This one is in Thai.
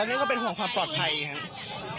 ตอนนี้ก็เป็นห่วงความปลอดภัยอย่างนั้น